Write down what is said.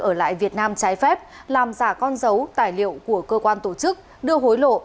ở lại việt nam trái phép làm giả con dấu tài liệu của cơ quan tổ chức đưa hối lộ